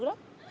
chứ không có gì